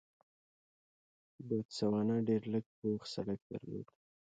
بوتسوانا ډېر لږ پوخ سړک درلود.